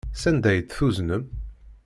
Sanda ay t-tuznem?